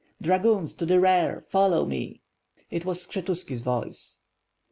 "Dragoons, to the rear, follow me!" It was Skshetuski's voice.